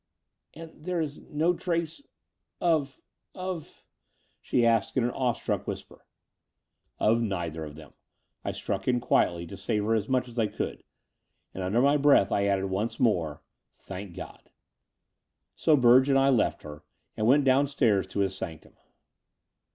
"And there is no trace of ... of .. .?"she asked in an awestruck whisper. Of neither of them," I struck in quietly, to save her as much as I could: and under my breath I added once more, "Thank God." So Surge and I left her, and went downstairs to his sanctum.